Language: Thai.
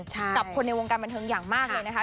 กับคนในวงการบันเทิงอย่างมากเลยนะคะ